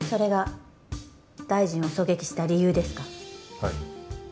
はい。